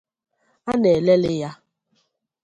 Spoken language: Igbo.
a na-elelị ya